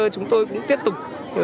chúng tôi cũng tiếp tục